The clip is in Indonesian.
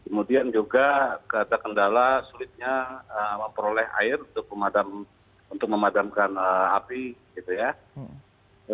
kemudian juga ada kendala sulitnya memperoleh air untuk memadamkan api gitu ya